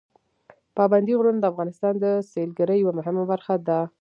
پابندي غرونه د افغانستان د سیلګرۍ یوه مهمه برخه ده.